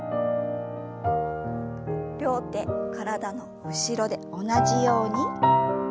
両手体の後ろで同じように。